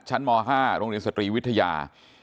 ชั้นหมอ๕โรงเรียนสตรีวิทยา